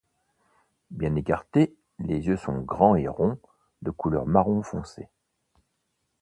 Bien écartés, les yeux sont grands et ronds, de couleur marron foncé.